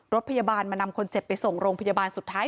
รถพยาบาลมานำคนเจ็บไปส่งโรงพยาบาลสุดท้าย